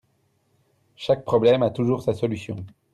Chaque problème a toujours sa solution.